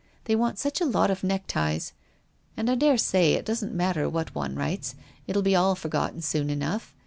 They want such a lot of neckties. And I daresay it doesn't matter much what one writes. It will be forgotten soon enough.